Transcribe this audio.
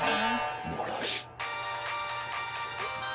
おもらし。